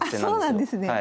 そうなんですね。